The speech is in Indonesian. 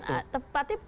hampir seperti itu